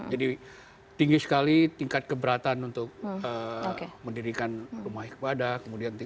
jadi tinggi sekali tingkat keberatan untuk mendirikan rumah kepada